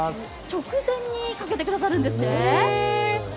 直前にかけてくださるんですね。